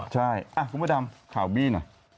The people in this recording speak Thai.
ใช่เอ้ะ๑๙๗๗ข่าวบี้หน่อย